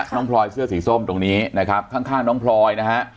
พลอยเสื้อสีส้มตรงนี้นะครับข้างน้องพลอยนะฮะ